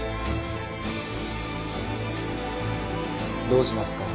どうしますか？